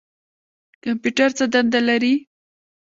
کمپیوټر څه دنده لري؟